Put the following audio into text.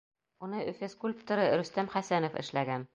Уны Өфө скульпторы Рөстәм Хәсәнов эшләгән.